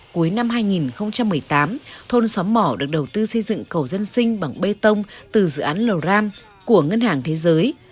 cuối năm hai nghìn một mươi tám thôn xóm mỏ được đầu tư xây dựng cầu dân sinh bằng bê tông từ dự án lò ram của ngân hàng thế giới